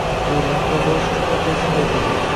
Quvurlarni tozalash uchun atay shunday qildik…